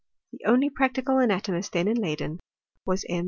The only practical anatomist then in Leyden, was M.